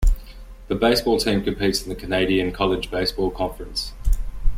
The baseball team competes in the Canadian College Baseball Conference.